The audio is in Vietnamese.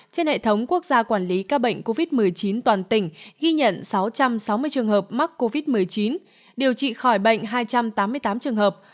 trên hệ thống quốc gia quản lý ca bệnh covid một mươi chín toàn tỉnh ghi nhận sáu trăm sáu mươi trường hợp mắc covid một mươi chín điều trị khỏi bệnh hai trăm tám mươi tám trường hợp